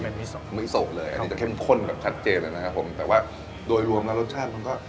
ไม่ไม่โศกเลยอันนี้จะเข้มข้นแบบชัดเจนเลยนะครับผมแต่ว่าโดยรวมแล้วรสชาติมันก็